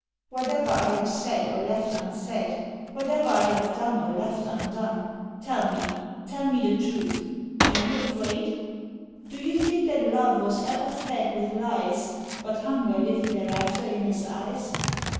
" Whatever I have said or left unsaid. Whatever I have done or left undone, — Tell me. Tell me the truth. ... Are you afraid? Do you think that Love was ever fed with lies But hunger lived thereafter in his eyes